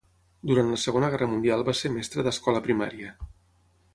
Durant la Segona Guerra Mundial va ser mestre d'escola primària.